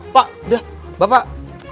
pak udah bapak